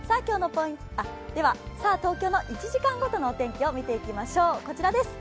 では東京の１時間ごとのお天気を見ていきましょう。